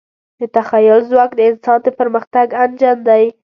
د تخیل ځواک د انسان د پرمختګ انجن دی.